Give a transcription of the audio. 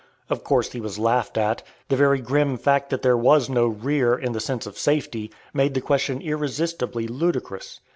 Of course he was laughed at. The very grim fact that there was no "rear," in the sense of safety, made the question irresistibly ludicrous.